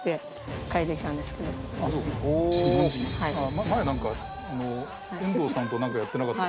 前、なんか、遠藤さんとなんかやってなかった？